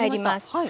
はい。